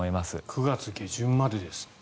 ９月下旬までですって。